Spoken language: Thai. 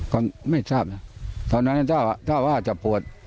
ก็ไม่ทราบนะตอนนั้นถ้าว่าจะปวด